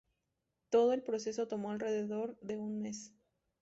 Todo el proceso tomó alrededor de un mes".